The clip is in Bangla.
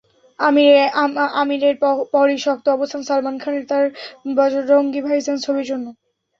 আমিরের পরই শক্ত অবস্থান সালমান খানের, তাঁর বজরঙ্গি ভাইজান ছবির জন্য।